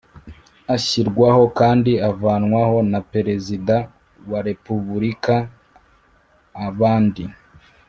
Ashyirwaho kandi avanwaho na perezida wa repubulika abandi